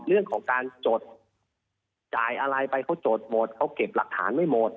เรื่องของการจดจ่ายอะไรไปเขาจดหมดเขาเก็บหลักฐานไม่หมด